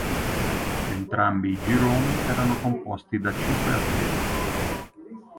Entrambi i gironi erano composti da cinque atleti.